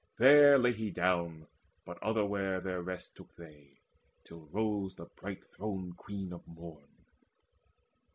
There lay he down; but otherwhere their rest Took they, till rose the bright throned Queen of Morn.